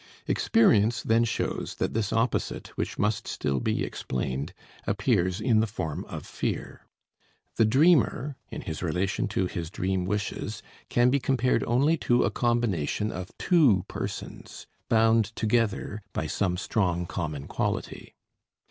Experience then shows that this opposite, which must still be explained, appears in the form of fear. The dreamer in his relation to his dream wishes can be compared only to a combination of two persons bound together by some strong common quality.